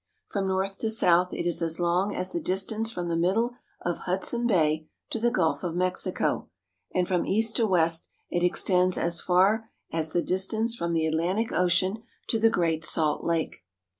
From north to south it is as long as the distance from the middle of Hudson Bay to the Gulf of Mexico, and from east to west it extends as far as the distance from the Atlantic Ocean to the Great Salt Lake.